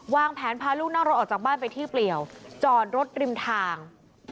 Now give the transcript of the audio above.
วางแผนพาลูกนั่งรถออกจากบ้านไปที่เปลี่ยวจอดรถริมทาง